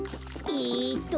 えっと